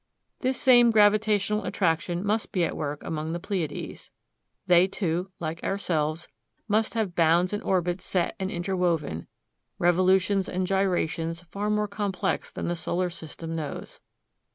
This same gravitational attraction must be at work among the Pleiades. They, too, like ourselves, must have bounds and orbits set and interwoven, revolutions and gyrations far more complex than the solar system knows.